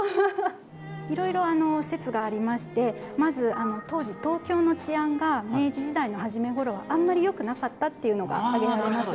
いろいろ説がありましてまず当時東京の治安が明治時代の初め頃はあんまりよくなかったっていうのが挙げられます。